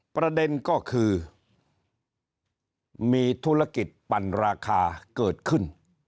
ประเด็นก็คือมีธุรกิจปั่นราคาเกิดขึ้น